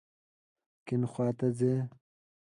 کیڼ خواته ځئ